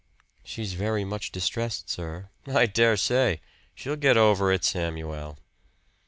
"She's very much distressed, sir." "I dare say. She'll get over it, Samuel."